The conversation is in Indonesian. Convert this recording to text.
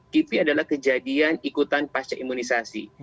kipi adalah kejadian ikutan pasca imunisasi